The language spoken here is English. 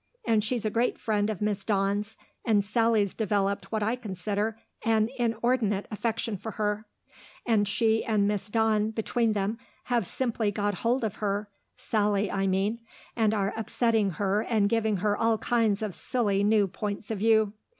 And she's a great friend of Miss Dawn's, and Sally's developed what I consider an inordinate affection for her; and she and Miss Dawn between them have simply got hold of her Sally, I mean and are upsetting her and giving her all kinds of silly new points of view.